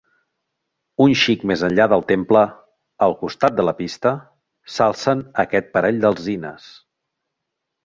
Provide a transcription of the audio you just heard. Un xic més enllà del temple, al costat de la pista, s'alcen aquest parell d'alzines.